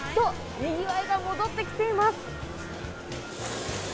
にぎわいが戻ってきています。